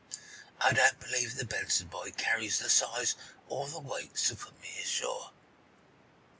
"Humph! I don't believe the Benson boy carries the size or the weight to put me ashore."